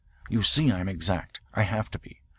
You see I am exact. I have to be.